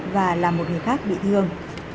và làm một người khác bị thương